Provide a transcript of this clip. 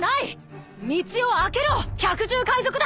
道をあけろ百獣海賊団！